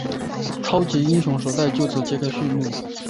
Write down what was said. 超级英雄的时代就此揭开序幕。